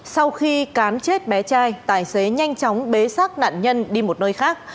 sau khi cán chết bé trai tài xế nhanh chóng bế sát nạn nhân đi một nơi khác